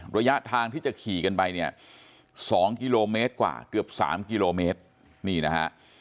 ระยะทางที่จะขี่กันไปเนี่ย๒กิโลเมตรกว่าเกือบ๓กิโลเมตรนี่นะฮะ